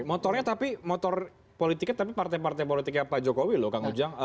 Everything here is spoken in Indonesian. motornya tapi motor politiknya tapi partai partai politiknya pak jokowi loh kang ujang